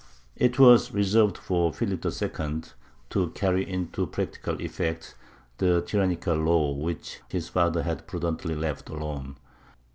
It was reserved for Philip II. to carry into practical effect the tyrannical law which his father had prudently left alone.